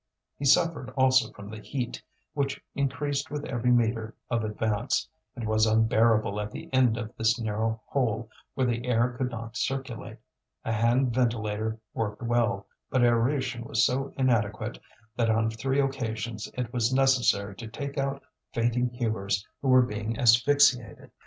He suffered also from the heat, which increased with every metre of advance, and was unbearable at the end of this narrow hole where the air could not circulate. A hand ventilator worked well, but aeration was so inadequate that on three occasions it was necessary to take out fainting hewers who were being asphyxiated.